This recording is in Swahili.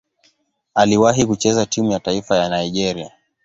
Aliwahi kucheza timu ya taifa ya Nigeria.